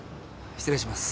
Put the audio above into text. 失礼します。